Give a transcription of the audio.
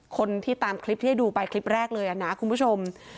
คนที่ตามคลิปที่ให้ดูไปคลิปแรกเลยนะคุณผู้ชม